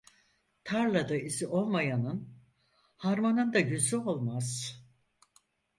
Tarlada izi olmayanın harmanında yüzü olmaz.